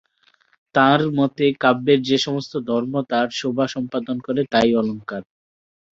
তাঁর মতে, কাব্যের যে-সমস্ত ধর্ম তার শোভা সম্পাদন করে, তাই অলঙ্কার।